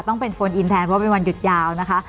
ต้องเป็นโฟนอินแทนเพราะเป็นวันหยุดยาวนะคะ